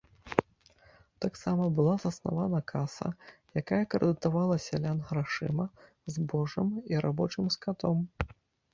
Таксама была заснавана каса, якая крэдытавала сялян грашыма, збожжам і рабочым скатом.